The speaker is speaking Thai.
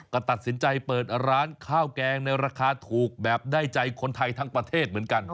ก็ตัดสินใจเปิดร้านข้าวแกงในราคาถูกแบบได้ใจคนไทยทั้งประเทศเหมือนกัน